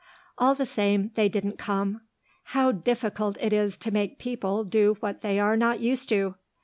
All the same, they didn't come. How difficult it is to make people do what they are not used to!